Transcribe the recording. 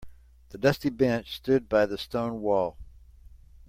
The dusty bench stood by the stone wall.